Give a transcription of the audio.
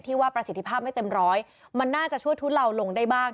ว่าประสิทธิภาพไม่เต็มร้อยมันน่าจะช่วยทุเลาลงได้บ้าง